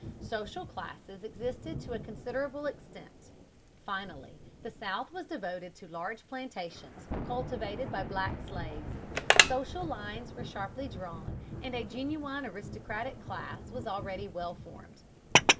Social classes existed to a considerable extent. Finally, the South was devoted to large plantations, cultivated by black slaves. Social lines were sharply drawn, and a genuine aristocratic class was already well formed.